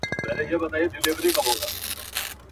دا کاڼي د غضب یوازي زموږ پر کلي اوري.